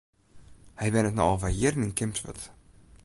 Hy wennet no al wer jierren yn Kimswert.